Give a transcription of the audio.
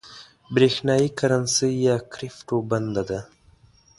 برېښنايي کرنسۍ یا کريپټو بنده ده